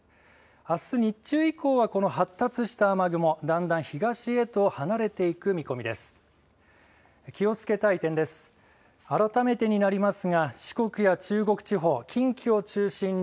あす日中以降は、この発達した雨雲、だんだん東へと離れていく見込みです。